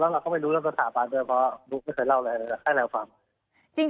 แล้วเราก็ไม่รู้เรื่องสถาบันเลยเพราะนุ๊กไม่เคยเล่าอะไรเลยแค่ให้เราฟัง